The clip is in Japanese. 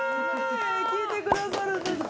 聴いてくださるんですか？